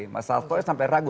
mas sasto sampai ragu